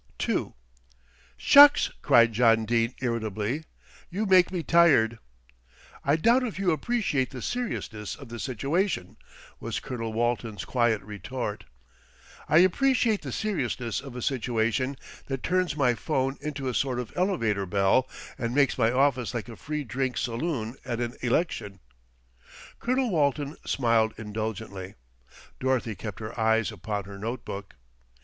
II "Shucks!" cried John Dene irritably. "You make me tired." "I doubt if you appreciate the seriousness of the situation," was Colonel Walton's quiet retort. "I appreciate the seriousness of a situation that turns my 'phone into a sort of elevator bell, and makes my office like a free drink saloon at an election." Colonel Walton smiled indulgently, Dorothy kept her eyes upon her note book.